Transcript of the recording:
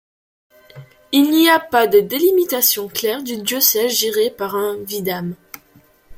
Il n'y avait pas de délimitation claire du diocèse géré par un vidame.